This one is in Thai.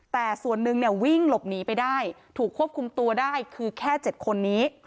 แต่ส่วนหนึ่งเนี่ยวิ่งหลบหนีไปได้ถูกควบคุมตัวได้คือแค่๗คนนี้